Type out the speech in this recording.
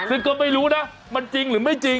ซึ่งก็ไม่รู้นะมันจริงหรือไม่จริง